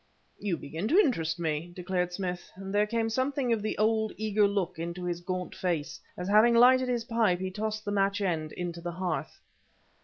"You begin to interest me," declared Smith, and there came something of the old, eager look into his gaunt face, as, having lighted his pipe, he tossed the match end into the hearth.